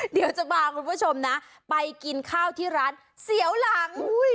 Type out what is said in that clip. เดี๋ยวจะพาคุณผู้ชมนะไปกินข้าวที่ร้านเสียวหลัง